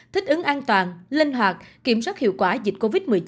thích ứng an toàn linh hoạt kiểm soát hiệu quả dịch covid một mươi chín